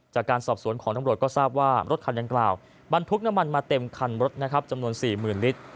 จากการสอบสวนของตำรวจก็ทราบว่ารถคันดังกล่าวบรรทุกน้ำมันมาเต็มคันรถนะครับจำนวน๔๐๐๐ลิตร